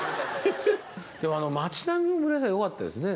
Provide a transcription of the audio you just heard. でもあの町並み村井さん良かったですね。